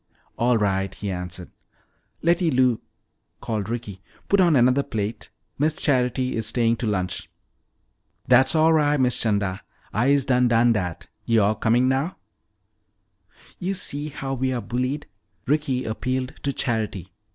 "All right," he answered. "Letty Lou," called Ricky, "put on another plate. Miss Charity is staying to lunch." "Dat's all ri', Miss 'Chanda. I'se done done dat. Yo'all comin' now?" "You see how we are bullied," Ricky appealed to Charity.